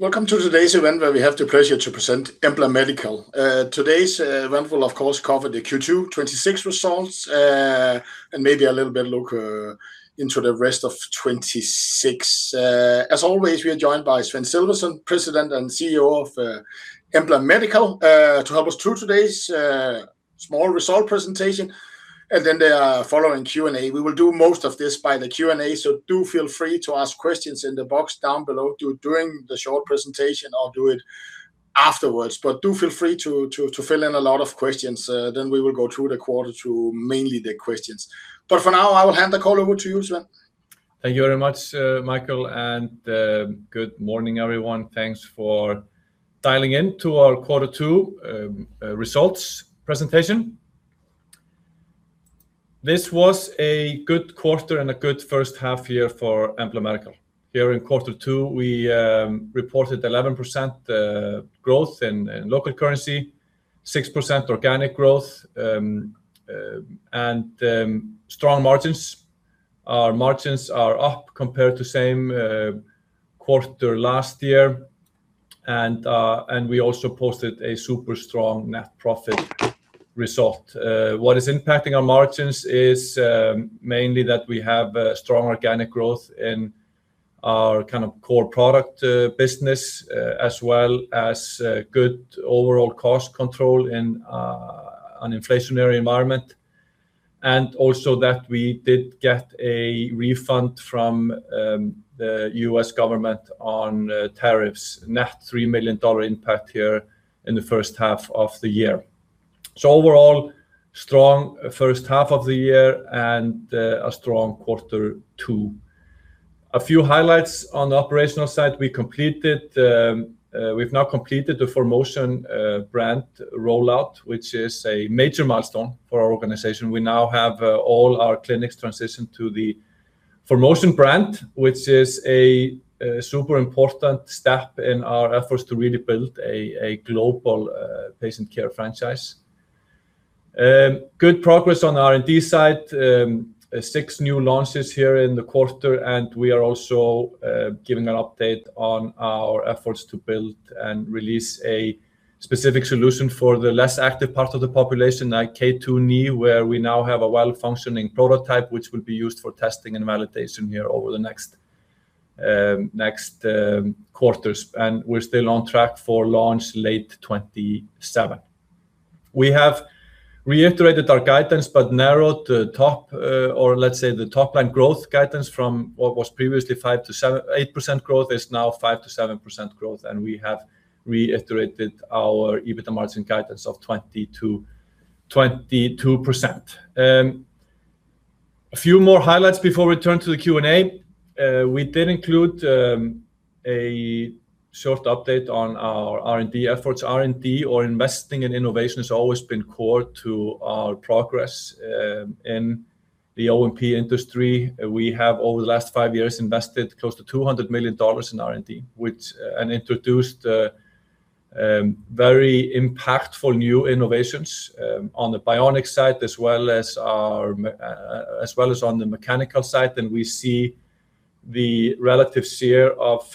Welcome to today's event where we have the pleasure to present Embla Medical. Today's event will, of course, cover the Q2 2026 results, and maybe a little bit look into the rest of 2026. As always, we are joined by Sveinn Sölvason, President and CEO of Embla Medical, to help us through today's small result presentation and then the following Q&A. We will do most of this by the Q&A, do feel free to ask questions in the box down below during the short presentation or do it afterwards. But do feel free to fill in a lot of questions, then we will go through the quarter through mainly the questions. For now, I will hand the call over to you, Sveinn. Thank you very much, Michael, good morning, everyone. Thanks for dialing in to our quarter two results presentation. This was a good quarter and a good first half year for Embla Medical. Here in quarter two, we reported 11% growth in local currency, 6% organic growth, and strong margins. Our margins are up compared to same quarter last year. We also posted a super strong net profit result. What is impacting our margins is mainly that we have strong organic growth in our core product business as well as good overall cost control in an inflationary environment. Also that we did get a refund from the U.S. government on tariffs. Net $3 million impact here in the first half of the year. Overall, strong first half of the year and a strong quarter two. A few highlights on the operational side. We've now completed the ForMotion brand rollout, which is a major milestone for our organization. We now have all our clinics transitioned to the ForMotion brand, which is a super important step in our efforts to really build a global patient care franchise. Good progress on the R&D side. Six new launches here in the quarter, and we are also giving an update on our efforts to build and release a specific solution for the less active part of the population, like K2 knee, where we now have a well-functioning prototype, which will be used for testing and validation here over the next quarters. We're still on track for launch late 2027. We have reiterated our guidance but narrowed the top, or let's say the top-line growth guidance from what was previously 5%-8% growth is now 5%-7% growth. We have reiterated our EBITDA margin guidance of 22%. A few more highlights before we turn to the Q&A. We did include a short update on our R&D efforts. R&D or investing in innovation has always been core to our progress in the O&P industry. We have, over the last five years, invested close to $200 million in R&D and introduced very impactful new innovations on the bionic side as well as on the mechanical side. We see the relative share of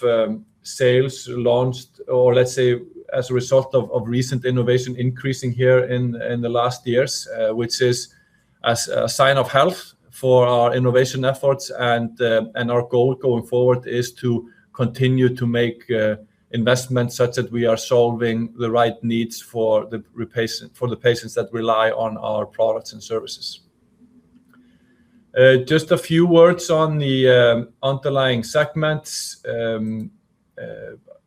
sales launched, or let's say as a result of recent innovation increasing here in the last years, which is a sign of health for our innovation efforts. Our goal going forward is to continue to make investments such that we are solving the right needs for the patients that rely on our products and services. Just a few words on the underlying segments.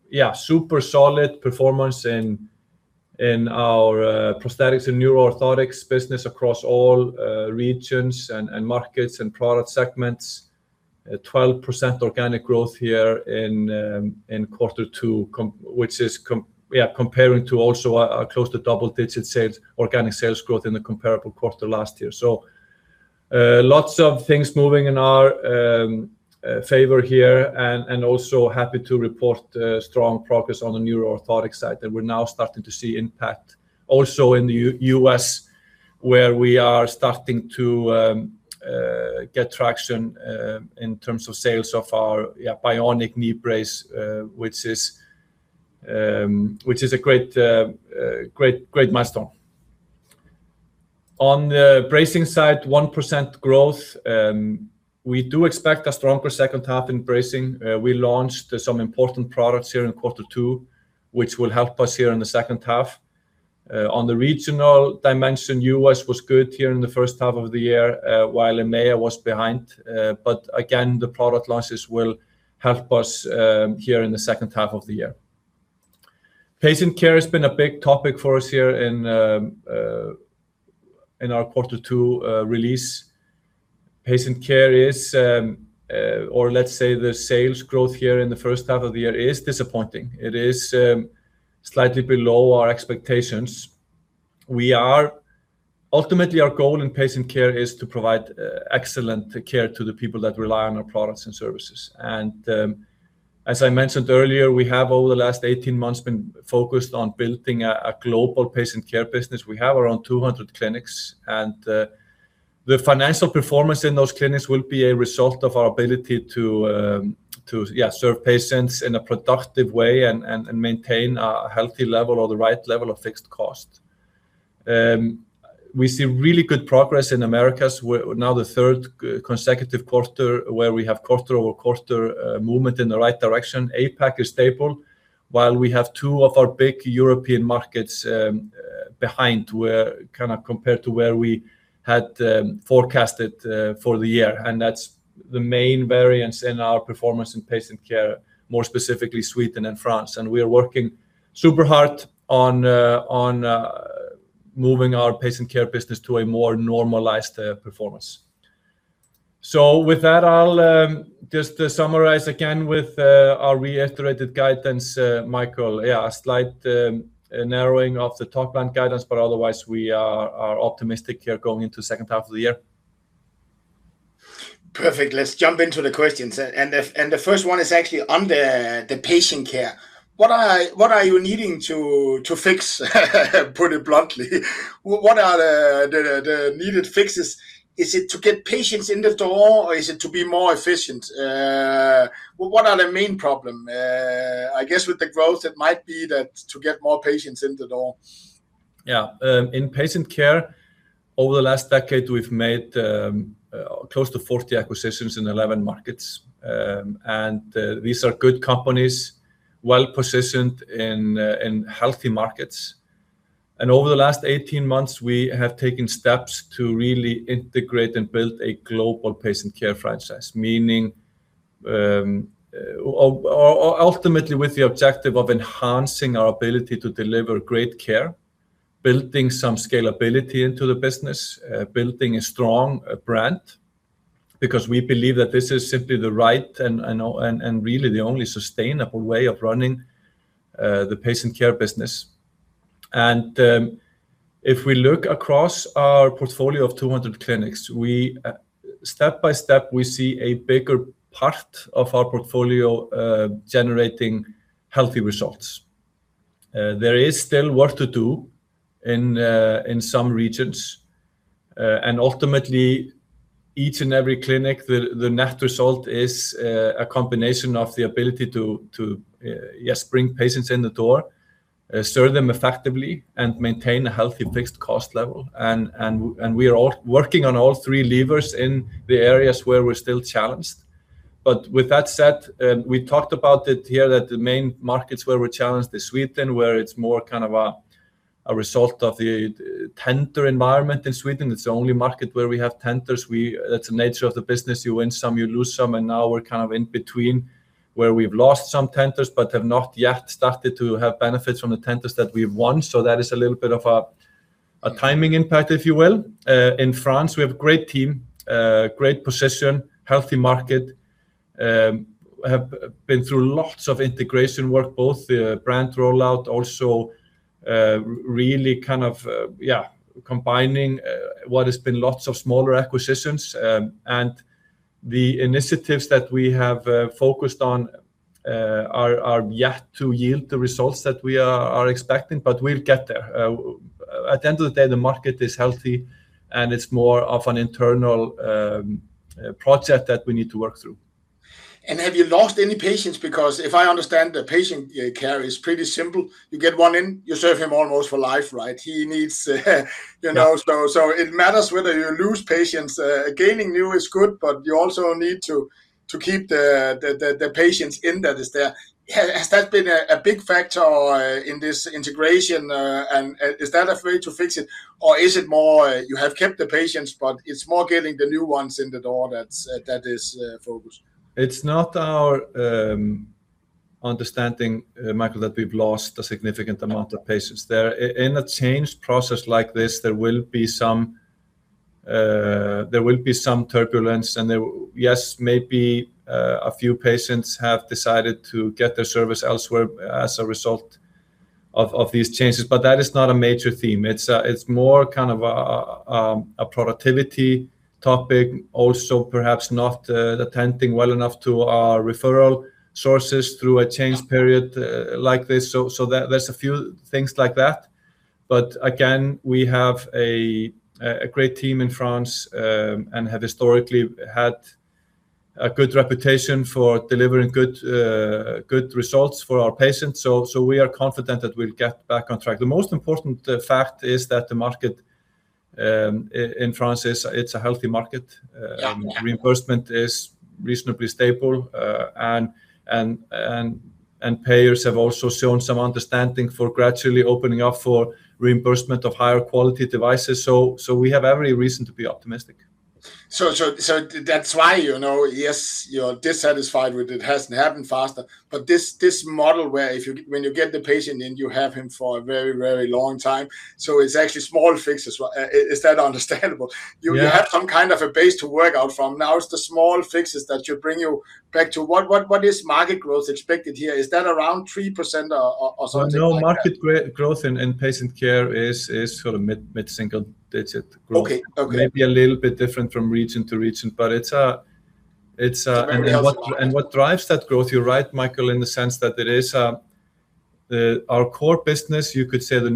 Yeah, super solid performance in our Prosthetics & Neuro Orthotics business across all regions and markets and product segments. 12% organic growth here in quarter two, which is comparing to also a close to double-digit organic sales growth in the comparable quarter last year. Lots of things moving in our favor here, and also happy to report strong progress on the Neuro Orthotics side that we are now starting to see impact also in the U.S., where we are starting to get traction in terms of sales of our Bionic Knee Brace, which is a great milestone. On the Bracing & Supports side, 1% growth. We do expect a stronger second half in Bracing & Supports. We launched some important products here in quarter two, which will help us here in the second half. On the regional dimension, U.S. was good here in the first half of the year, while EMEA was behind. Again, the product launches will help us here in the second half of the year. Patient Care has been a big topic for us here in our quarter two release. Patient Care is, or let us say the sales growth here in the first half of the year is disappointing. It is slightly below our expectations. Ultimately, our goal in Patient Care is to provide excellent care to the people that rely on our products and services. As I mentioned earlier, we have, over the last 18 months, been focused on building a global Patient Care business. We have around 200 clinics. The financial performance in those clinics will be a result of our ability to serve patients in a productive way and maintain a healthy level or the right level of fixed cost. We see really good progress in Americas, now the third consecutive quarter where we have quarter-over-quarter movement in the right direction. APAC is stable. While we have two of our big European markets behind, compared to where we had forecasted for the year, and that is the main variance in our performance in Patient Care, more specifically Sweden and France. We are working super hard on moving our Patient Care business to a more normalized performance. With that, I will just summarize again with our reiterated guidance, Michael. Yeah, a slight narrowing of the top-line guidance, otherwise, we are optimistic here going into second half of the year. Perfect. Let us jump into the questions, the first one is actually on the Patient Care. What are you needing to fix? Put it bluntly. What are the needed fixes? Is it to get patients in the door, or is it to be more efficient? What are the main problem? I guess with the growth it might be to get more patients in the door. Yeah. In Patient Care, over the last decade, we've made close to 40 acquisitions in 11 markets. These are good companies, well-positioned in healthy markets. Over the last 18 months, we have taken steps to really integrate and build a global Patient Care franchise, meaning, ultimately with the objective of enhancing our ability to deliver great care, building some scalability into the business, building a strong brand because we believe that this is simply the right and really the only sustainable way of running the Patient Care business. If we look across our portfolio of 200 clinics, step by step, we see a bigger part of our portfolio generating healthy results. There is still work to do in some regions, and ultimately each and every clinic, the net result is a combination of the ability to bring patients in the door, serve them effectively and maintain a healthy fixed cost level. We are working on all three levers in the areas where we're still challenged. With that said, we talked about it here that the main markets where we're challenged is Sweden, where it's more a result of the tender environment in Sweden. It's the only market where we have tenders. That's the nature of the business. You win some, you lose some, and now we're kind of in between, where we've lost some tenders but have not yet started to have benefits from the tenders that we've won. That is a little bit of a timing impact, if you will. In France, we have great team, great position, healthy market. Have been through lots of integration work, both brand rollout also really combining what has been lots of smaller acquisitions. The initiatives that we have focused on are yet to yield the results that we are expecting, but we'll get there. At the end of the day, the market is healthy, and it's more of an internal project that we need to work through. Have you lost any patients? Because if I understand, the Patient Care is pretty simple. You get one in, you serve him almost for life, right? He needs so it matters whether you lose patients. Gaining new is good, but you also need to keep the patients in that is there. Has that been a big factor in this integration? Is that a way to fix it, or is it more you have kept the patients, but it's more getting the new ones in the door that is focused? It's not our understanding, Michael, that we've lost a significant amount of patients there. In a change process like this, there will be some turbulence, and yes, maybe a few patients have decided to get their service elsewhere as a result of these changes, but that is not a major theme. It's more a productivity topic also, perhaps not attending well enough to our referral sources through a change period like this. There's a few things like that. Again, we have a great team in France and have historically had a good reputation for delivering good results for our patients. We are confident that we'll get back on track. The most important fact is that the market in France, it's a healthy market. Yeah. Reimbursement is reasonably stable, payers have also shown some understanding for gradually opening up for reimbursement of higher quality devices. We have every reason to be optimistic. That's why, yes, you are dissatisfied with it hasn't happened faster. This model where when you get the patient in, you have him for a very, very long time, it's actually small fixes. Is that understandable? Yeah. You have some kind of a base to work out from. Now it's the small fixes that should bring you back to what is market growth expected here? Is that around 3% or something like that? No, market growth in Patient Care is mid-single-digit growth. Okay. Maybe a little bit different from region to region, but it's. Everywhere else. What drives that growth, you're right, Michael, in the sense that there is, our core business, you could say the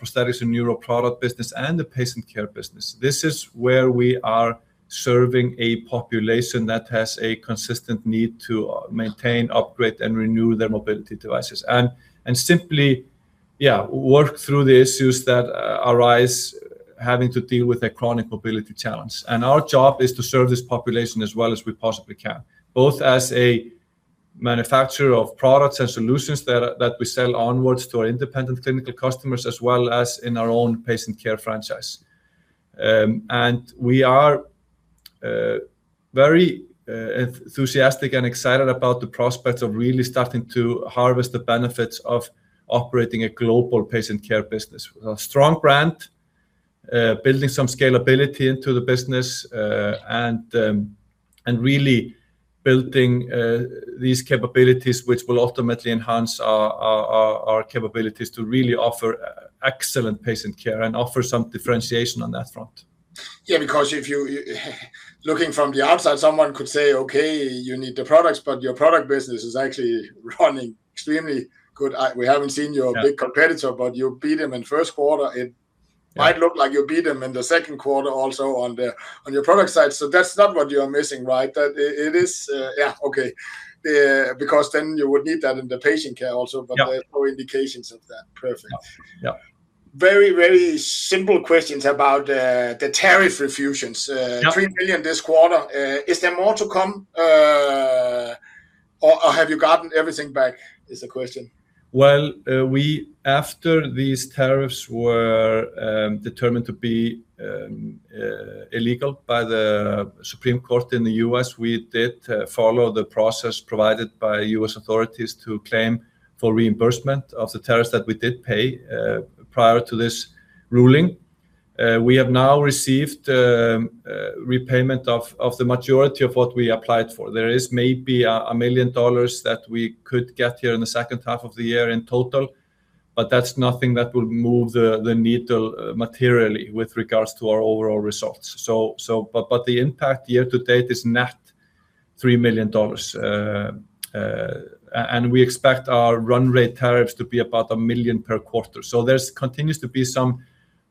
Prosthetics & Neuro product business and the Patient Care business. This is where we are serving a population that has a consistent need to maintain, upgrade, and renew their mobility devices, and simply work through the issues that arise having to deal with a chronic mobility challenge. Our job is to serve this population as well as we possibly can, both as a manufacturer of products and solutions that we sell onwards to our independent clinical customers, as well as in our own Patient Care franchise. We are very enthusiastic and excited about the prospects of really starting to harvest the benefits of operating a global Patient Care business with a strong brand, building some scalability into the business, and really building these capabilities, which will ultimately enhance our capabilities to really offer excellent Patient Care and offer some differentiation on that front. If you look from the outside, someone could say, okay, you need the products, your product business is actually running extremely good. We haven't seen your big competitor, you beat them in the first quarter. It might look like you beat them in the second quarter also on your product side. That's not what you are missing, right? Yeah. Okay. Then you would need that in the Patient Care also. Yeah. There are no indications of that. Perfect. Yeah. Very simple questions about the tariff refunds. Yeah. $3 million this quarter. Is there more to come or have you gotten everything back, is the question. Well, after these tariffs were determined to be illegal by the Supreme Court in the U.S., we did follow the process provided by U.S. authorities to claim for reimbursement of the tariffs that we did pay prior to this ruling. We have now received repayment of the majority of what we applied for. There is maybe $1 million that we could get here in the second half of the year in total, that's nothing that will move the needle materially with regards to our overall results. The impact year-to-date is net $3 million. We expect our run rate tariffs to be about $1 million per quarter. There continues to be some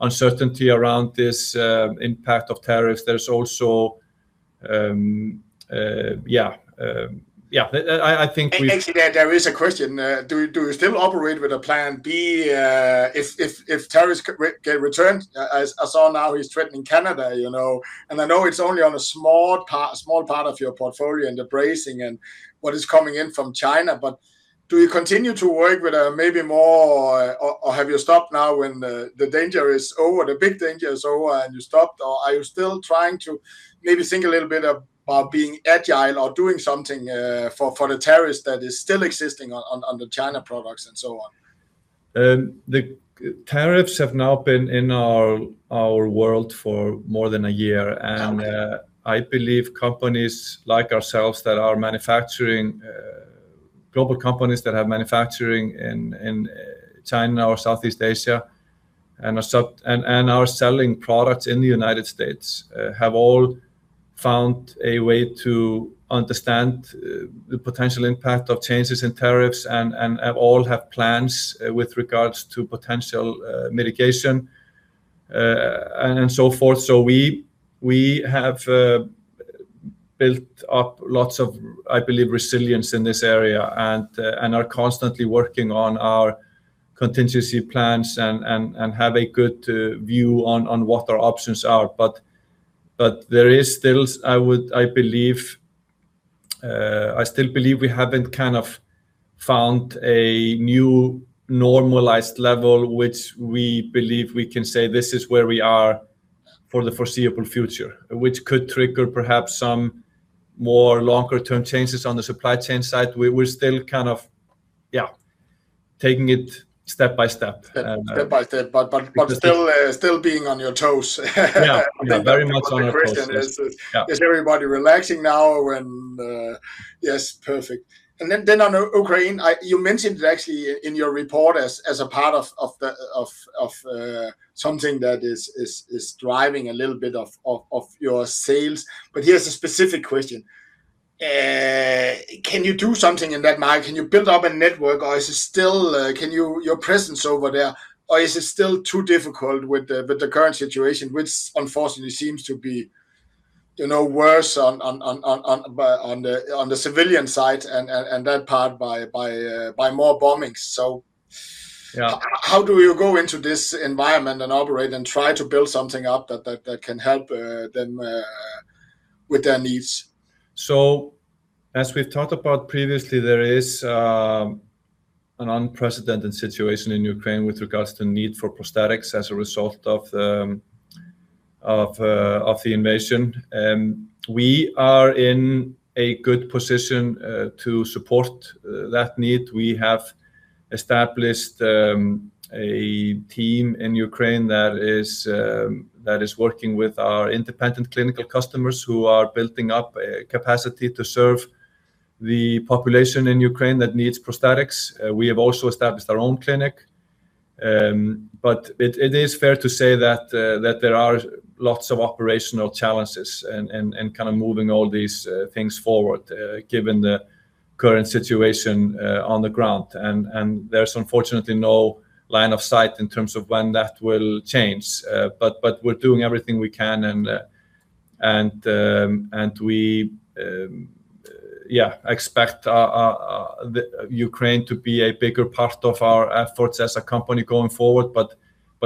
uncertainty around this impact of tariffs. Yeah. Actually, there is a question. Do you still operate with a plan B if tariffs get returned? I saw now he's threatening Canada. I know it's only on a small part of your portfolio and the Bracing and what is coming in from China. Do you continue to work with maybe more or have you stopped now when the danger is over, the big danger is over and you stopped? Are you still trying to maybe think a little bit about being agile or doing something for the tariffs that is still existing on the China products and so on? The tariffs have now been in our world for more than a year. Okay. I believe companies like ourselves that are manufacturing, global companies that have manufacturing in China or Southeast Asia and are selling products in the United States, have all found a way to understand the potential impact of changes in tariffs and all have plans with regards to potential mitigation and so forth. We have built up lots of, I believe, resilience in this area and are constantly working on our contingency plans and have a good view on what our options are. There is still, I believe, I still believe we haven't found a new normalized level, which we believe we can say this is where we are for the foreseeable future, which could trigger perhaps some more longer-term changes on the supply chain side. We're still taking it step by step. Step by step, but still being on your toes. Yeah. Very much on our toes. The question is. Yeah Is everybody relaxing now when Yes, perfect. Then on Ukraine, you mentioned it actually in your report as a part of something that is driving a little bit of your sales. Here's a specific question. Can you do something in that market? Can you build up a network, or is it still your presence over there, or is it still too difficult with the current situation, which unfortunately seems to be worse on the civilian side and that part by more bombings. Yeah How do you go into this environment and operate and try to build something up that can help them with their needs? As we've talked about previously, there is an unprecedented situation in Ukraine with regards to the need for prosthetics as a result of the invasion. We are in a good position to support that need. We have established a team in Ukraine that is working with our independent clinical customers who are building up a capacity to serve the population in Ukraine that needs prosthetics. We have also established our own clinic. It is fair to say that there are lots of operational challenges in moving all these things forward given the current situation on the ground. There's unfortunately no line of sight in terms of when that will change. We're doing everything we can and we, yeah, expect Ukraine to be a bigger part of our efforts as a company going forward.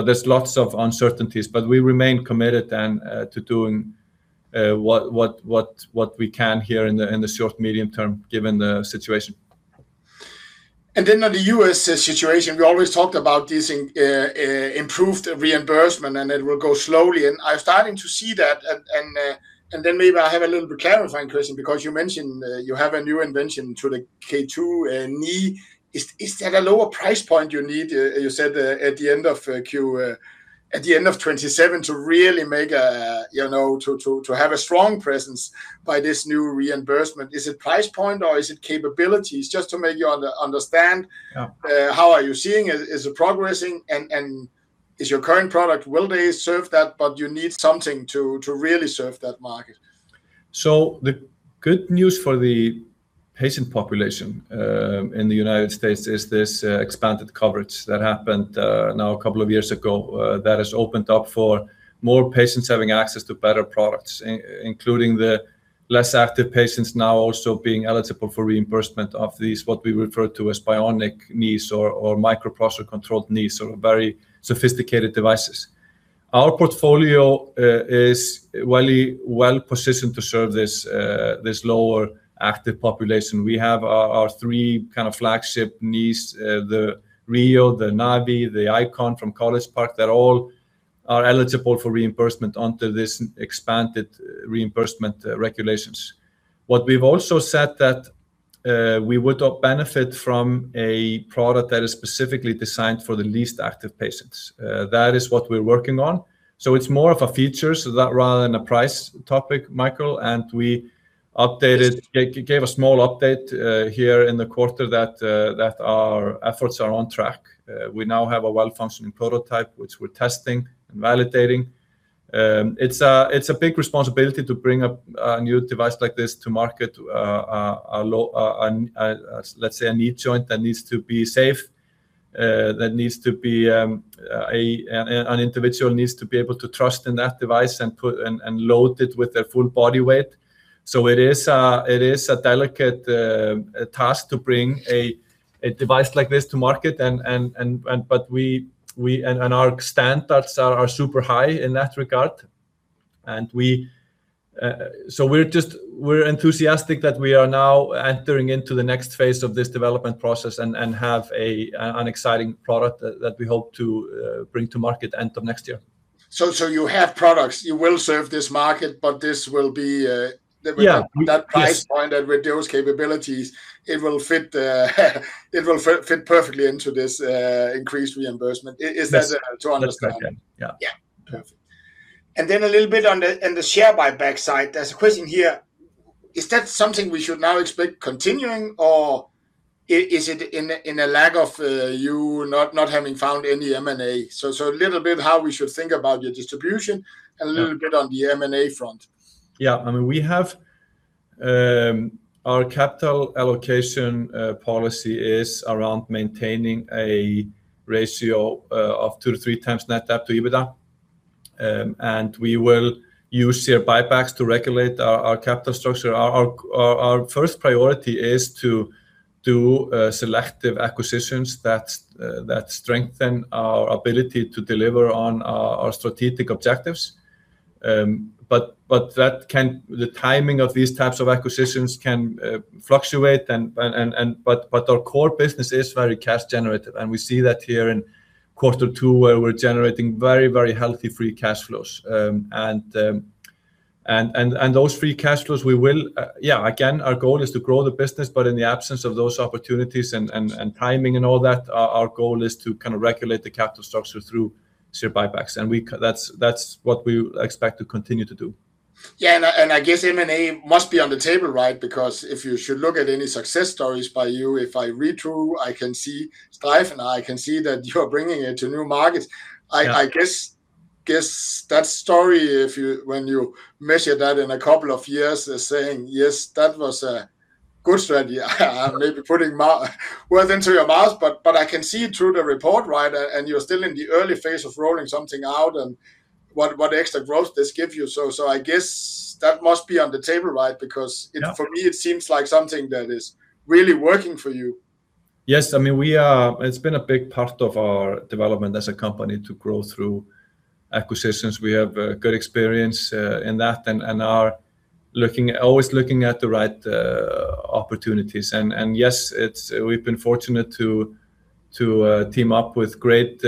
There's lots of uncertainties. We remain committed to doing what we can here in the short-medium-term, given the situation. On the U.S. situation, we always talked about this improved reimbursement. It will go slowly. I'm starting to see that. Maybe I have a little clarifying question because you mentioned you have a new invention to the K2 knee. Is that a lower price point you need, you said at the end of 2027 to really have a strong presence by this new reimbursement? Is it price point or is it capabilities? Just to make other understand. Yeah How are you seeing, is it progressing and is your current product, will they serve that, but you need something to really serve that market? The good news for the patient population in the United States is this expanded coverage that happened now a couple of years ago that has opened up for more patients having access to better products, including the less active patients now also being eligible for reimbursement of these, what we refer to as bionic knees or microprocessor-controlled knees, very sophisticated devices. Our portfolio is well-positioned to serve this lower active population. We have our three flagship knees, the RHEO, the Navii, the Icon from College Park, that all are eligible for reimbursement under this expanded reimbursement regulations. We've also said that we would benefit from a product that is specifically designed for the least active patients. That is what we're working on. It's more of a feature, rather than a price topic, Michael. We gave a small update here in the quarter that our efforts are on track. We now have a well-functioning prototype, which we're testing and validating. It's a big responsibility to bring a new device like this to market, let's say a knee joint that needs to be safe, an individual needs to be able to trust in that device and load it with their full body weight. It is a delicate task to bring a device like this to market. Our standards are super high in that regard. We're enthusiastic that we are now entering into the next phase of this development process and have an exciting product that we hope to bring to market end of next year. You have products, you will serve this market. Yeah. Yes that price point and with those capabilities, it will fit perfectly into this increased reimbursement. Yes To understand? Understood. Yeah. Yeah. Perfect. A little bit on the share buyback side, there's a question here. Is that something we should now expect continuing, or is it in a lag of you not having found any M&A? A little bit how we should think about your distribution and a little bit on the M&A front. Yeah. We have our capital allocation policy is around maintaining a ratio of 2x, 3x times net debt to EBITDA. We will use share buybacks to regulate our capital structure. Our first priority is to do selective acquisitions that strengthen our ability to deliver on our strategic objectives. The timing of these types of acquisitions can fluctuate. Our core business is very cash generative, and we see that here in quarter two, where we're generating very healthy free cash flows. Those free cash flows Again, our goal is to grow the business, but in the absence of those opportunities and timing and all that, our goal is to regulate the capital structure through share buybacks. That's what we expect to continue to do. Yeah, I guess M&A must be on the table, right? Because if you should look at any success stories by you, if I read through, I can see Streifeneder, and I can see that you are bringing it to new markets. Yeah. I guess that story, when you measure that in a couple of years is saying, Yes, that was a good strategy. I may be putting words into your mouth, but I can see through the report, right? You're still in the early phase of rolling something out and what extra growth this gives you. I guess that must be on the table, right? Yeah for me, it seems like something that is really working for you. Yes. It's been a big part of our development as a company to grow through acquisitions. We have good experience in that and are always looking at the right opportunities. Yes, we've been fortunate to team up with great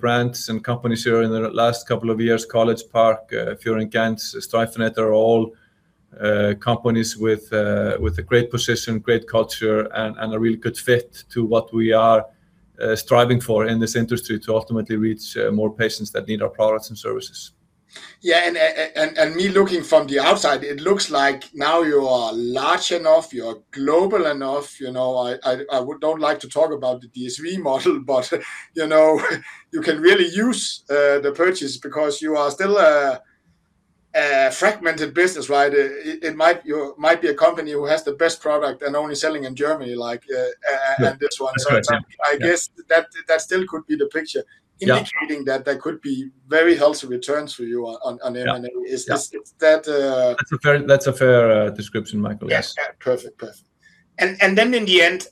brands and companies here in the last couple of years, College Park, FIOR & GENTZ, Streifeneder, are all companies with a great position, great culture, and a really good fit to what we are striving for in this industry to ultimately reach more patients that need our products and services. Me looking from the outside, it looks like now you are large enough, you are global enough. I don't like to talk about the DSV model, but you can really use the purchase because you are still a fragmented business, right? You might be a company who has the best product and only selling in Germany. Yeah This one. That's right. Yeah. I guess that still could be the picture. Yeah. Indicating that there could be very healthy returns for you on M&A. Yeah. Is that? That's a fair description, Michael. Yes. Yeah. Perfect. Then in the end,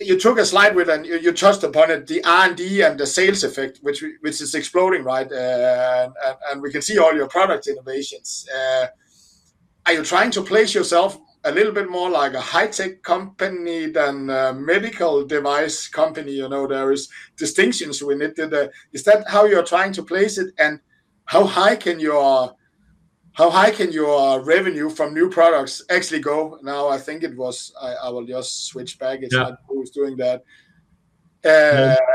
you took a slide with, and you touched upon it, the R&D and the sales effect, which is exploding, right? And we can see all your product innovations. Are you trying to place yourself a little bit more like a high-tech company than a medical device company? There is distinctions we need to. Is that how you're trying to place it, and how high can your revenue from new products actually go? Now, I think it was. Yeah who was doing that.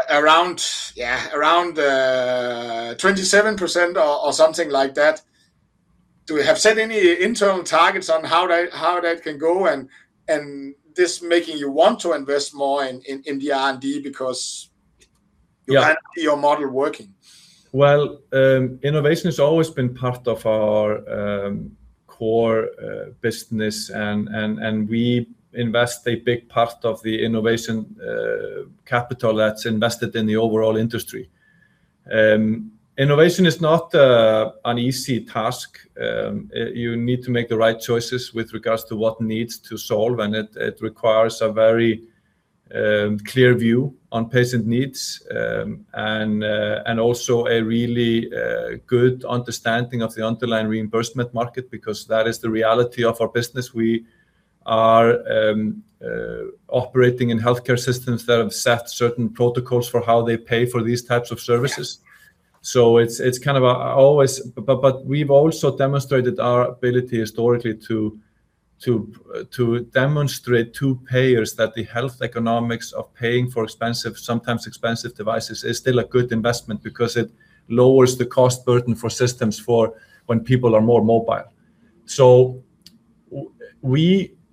Around 27%, or something like that. Do we have set any internal targets on how that can go, and this making you want to invest more in the R&D because. Yeah You can see your model working? Well, innovation has always been part of our core business. We invest a big part of the innovation capital that's invested in the overall industry. Innovation is not an easy task. You need to make the right choices with regards to what needs to solve. It requires a very clear view on patient needs. Also a really good understanding of the underlying reimbursement market, because that is the reality of our business. We are operating in healthcare systems that have set certain protocols for how they pay for these types of services. Yeah. We've also demonstrated our ability historically to demonstrate to payers that the health economics of paying for expensive, sometimes expensive devices, is still a good investment because it lowers the cost burden for systems for when people are more mobile.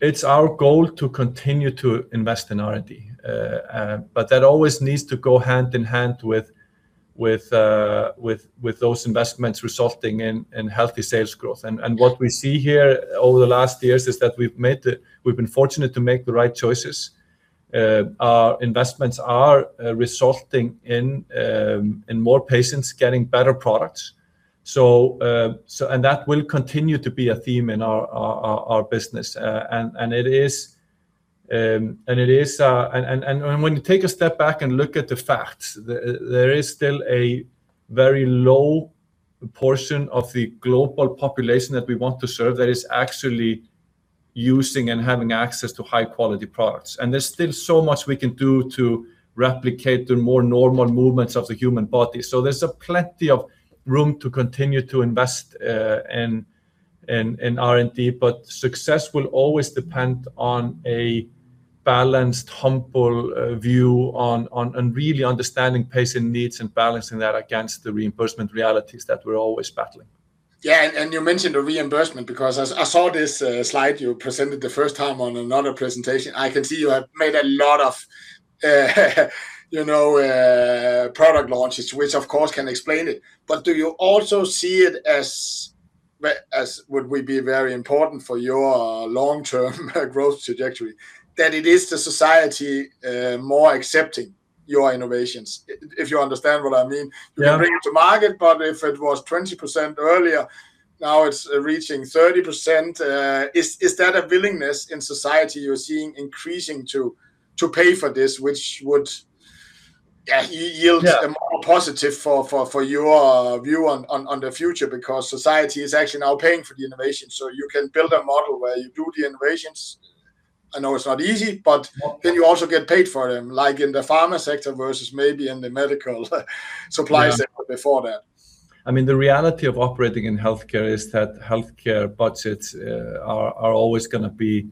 It's our goal to continue to invest in R&D. That always needs to go hand in hand with those investments resulting in healthy sales growth. What we see here over the last years is that we've been fortunate to make the right choices. Our investments are resulting in more patients getting better products. That will continue to be a theme in our business. When you take a step back and look at the facts, there is still a very low portion of the global population that we want to serve that is actually using and having access to high-quality products. There's still so much we can do to replicate the more normal movements of the human body. There's a plenty of room to continue to invest in R&D, but success will always depend on a balanced, humble view on really understanding patient needs and balancing that against the reimbursement realities that we're always battling. Yeah. You mentioned the reimbursement because as I saw this slide you presented the first time on another presentation, I can see you have made a lot of product launches, which of course can explain it. Do you also see it as would we be very important for your long-term growth trajectory, that it is the society more accepting your innovations? If you understand what I mean. Yeah. You bring it to market, but if it was 20% earlier, now it's reaching 30%. Is that a willingness in society you're seeing increasing to pay for this, which would yield. Yeah a more positive for your view on the future because society is actually now paying for the innovation, you can build a model where you do the innovations. I know it's not easy, but then you also get paid for them, like in the pharma sector versus maybe in the medical supplies. Yeah Before that. I mean the reality of operating in healthcare is that healthcare budgets are always going to be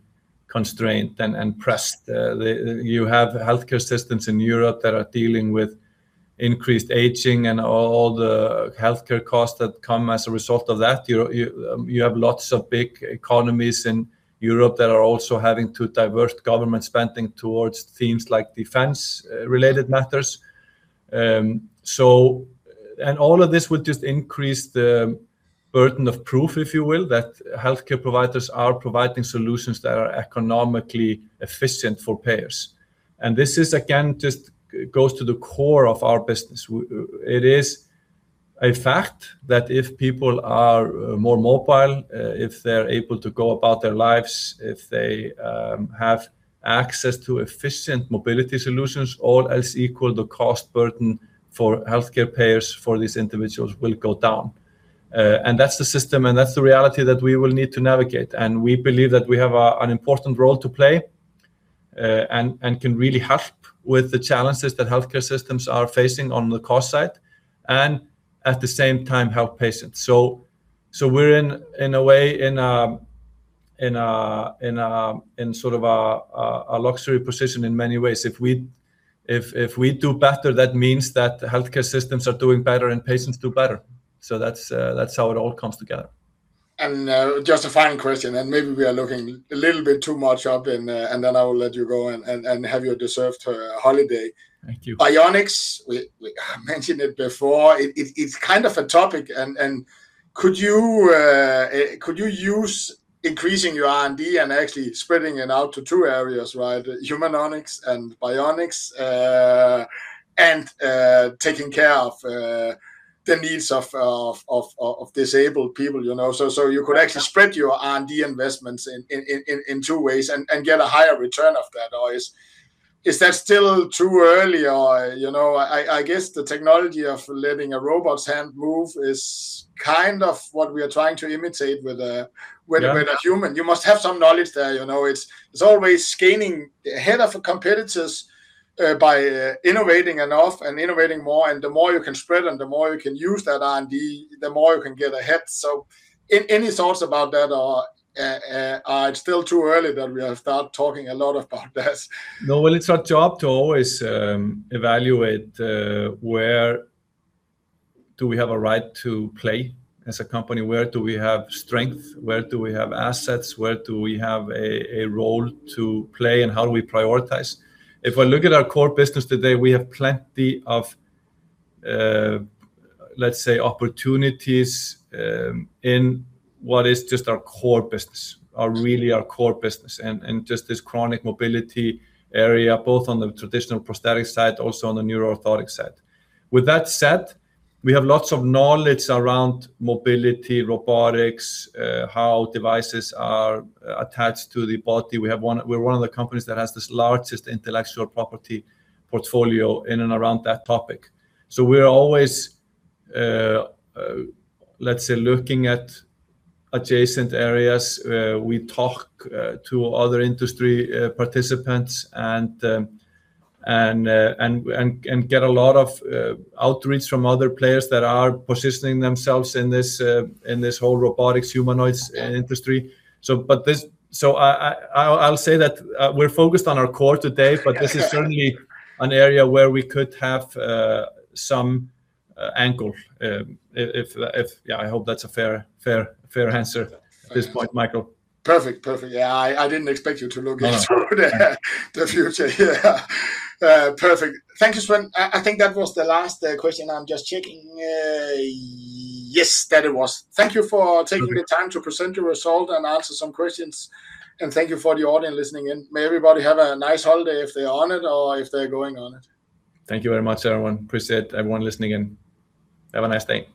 constrained and pressed. You have healthcare systems in Europe that are dealing with increased aging and all the healthcare costs that come as a result of that. You have lots of big economies in Europe that are also having to divert government spending towards things like defense-related matters. All of this would just increase the burden of proof, if you will, that healthcare providers are providing solutions that are economically efficient for payers. This is again, just goes to the core of our business. It is a fact that if people are more mobile, if they're able to go about their lives, if they have access to efficient mobility solutions, all else equal, the cost burden for healthcare payers for these individuals will go down. That's the system and that's the reality that we will need to navigate. We believe that we have an important role to play, and can really help with the challenges that healthcare systems are facing on the cost side, and at the same time, help patients. We're in a way in a luxury position in many ways. If we do better, that means that the healthcare systems are doing better and patients do better. That's how it all comes together. Just a final question, and maybe we are looking a little bit too much up and then I will let you go and have your deserved holiday. Thank you. Bionics, we mentioned it before, it's kind of a topic. Could you use increasing your R&D and actually spreading it out to two areas, right? Humanonics and bionics, and taking care of the needs of disabled people. You could actually spread your R&D investments in two ways and get a higher return of that. Or is that still too early? I guess the technology of letting a robot's hand move is kind of what we are trying to imitate. Yeah Human. You must have some knowledge there. It's always gaining ahead of competitors by innovating enough and innovating more. The more you can spread and the more you can use that R&D, the more you can get ahead. Any thoughts about that, or it's still too early that we have start talking a lot about that? No. Well, it's our job to always evaluate where do we have a right to play as a company? Where do we have strength? Where do we have assets? Where do we have a role to play, and how do we prioritize? If I look at our core business today, we have plenty of, let's say, opportunities, in what is just our core business, really our core business and just this chronic mobility area, both on the traditional prosthetic side, also on the Neuro Orthotic side. With that said, we have lots of knowledge around mobility, robotics, how devices are attached to the body. We're one of the companies that has this largest intellectual property portfolio in and around that topic. We're always, let's say, looking at adjacent areas. We talk to other industry participants and get a lot of outreach from other players that are positioning themselves in this whole robotics humanoids industry. I'll say that we're focused on our core today, but this is certainly an area where we could have some angle. I hope that's a fair answer at this point, Michael. Perfect. Yeah, I didn't expect you to look into the future here. Perfect. Thank you, Sveinn. I think that was the last question. I'm just checking. Yes, that it was. Thank you for taking the time to present your result and answer some questions, and thank you for the audience listening in. May everybody have a nice holiday if they're on it or if they're going on it. Thank you very much everyone. Appreciate everyone listening in. Have a nice day.